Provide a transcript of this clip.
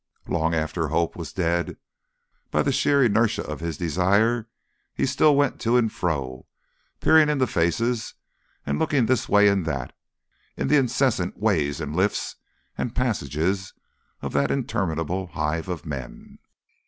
Long after hope was dead, by the sheer inertia of his desire he still went to and fro, peering into faces and looking this way and that, in the incessant ways and lifts and passages of that interminable hive of men.